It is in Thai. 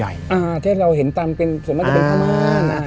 อ่าให้เราเห็นตามเป็นผ้าม่าน